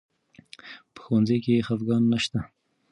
په ښوونځي کې خفګان نه شته.